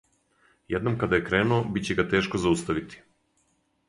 Једном када је кренуо, биће га тешко зауставити.